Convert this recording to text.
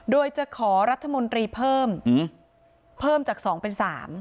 โดยจะขอรัฐมนตรีเพิ่มเพิ่มจาก๒เป็น๓